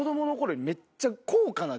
めっちゃ。